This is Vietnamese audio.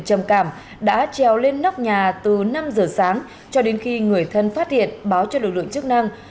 trầm cảm đã treo lên nóc nhà từ năm giờ sáng cho đến khi người thân phát hiện báo cho lực lượng chức năng